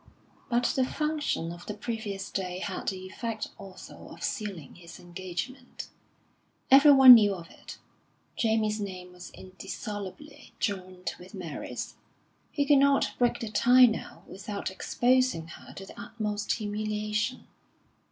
But the function of the previous day had the effect also of sealing his engagement. Everyone knew of it. Jamie's name was indissolubly joined with Mary's; he could not break the tie now without exposing her to the utmost humiliation.